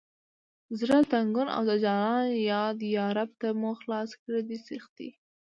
زړه تنګون او د جانان یاد یا ربه ته مو خلاص کړه دې سختي…